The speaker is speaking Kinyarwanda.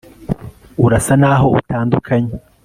urasa naho utandukanye